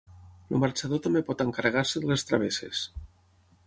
El marxador també pot encarregar-se de les travesses.